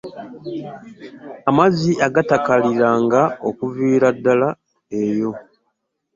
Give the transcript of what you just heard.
Amaziga agatakaliranga okuviira ddala eyo.